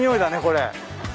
これ。